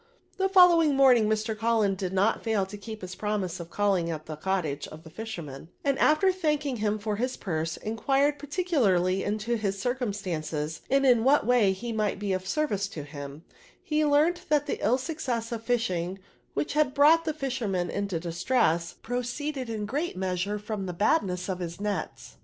The following mannng, Mr. CuUen did not ful to keep his prcmiise of caUing at the cottage of the fishennan, and, after thanking him for his purse, inquired particularly into his circumstances, and in what way he might be of service to him* He learnt that the ill success of the fishing, which had brought the fisheiman into distress, pro* ceeded in a great meajsure from the badness of his nets.